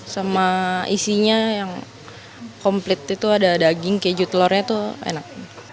sama isinya yang komplit itu ada daging keju telurnya tuh enak